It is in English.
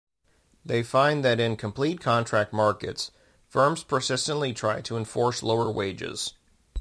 They find that in complete contract markets, firms persistently try to enforce lower wages.